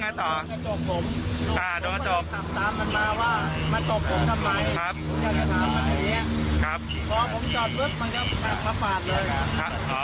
ครับพอผมจอดรถมันก็ขับปากเลยค่ะครับอ๋อปาก